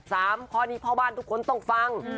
ข้อนี้พ่อบ้านทุกคนต้องฟัง